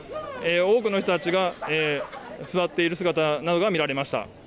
多くの人たちが座っている姿などが見られました。